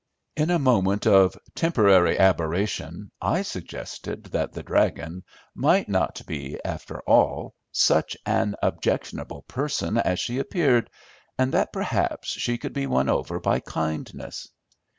In a moment of temporary aberration I suggested that the "dragon" might not be, after all, such an objectionable person as she appeared, and that perhaps she could be won over by kindness.